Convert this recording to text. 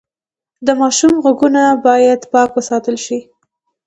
د ماشوم غوږونه باید پاک وساتل شي۔